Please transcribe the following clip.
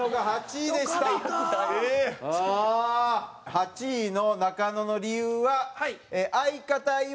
８位の中野の理由は。